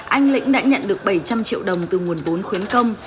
anh lĩnh đã nhận được bảy trăm linh triệu đồng từ nguồn vốn khuyến công